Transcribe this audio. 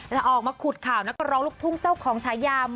จะออกมาขุดข่าวนักร้องลูกทุ่งเจ้าของฉายาม